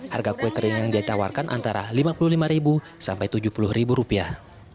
harga kue kering yang dia tawarkan antara lima puluh lima sampai tujuh puluh rupiah